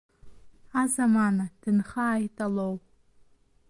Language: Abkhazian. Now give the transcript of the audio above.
Азамана дынхааит Алоу!